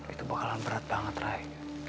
itu bakalan berat banget rai